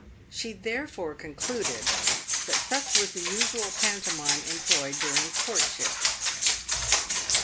She therefore concluded that such was the usual pantomime employed during courtship.